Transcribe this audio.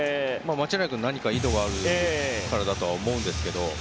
間違いなく何かの意図があるからだと思いますが。